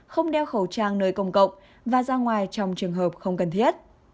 không đeo khẩu trang nơi công cộng và ra ngoài trong trường hợp không cần thiết